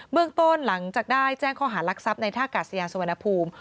เมืองต้นหลังจากได้แจ้งข้อหารักทรัพย์ในท่ากาศยานสุวรรณภูมิ